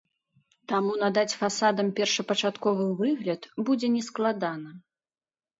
Таму надаць фасадам першапачатковы выгляд будзе нескладана.